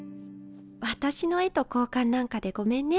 私の絵と交換なんかでごめんね。